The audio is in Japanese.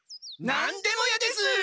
何でも屋です。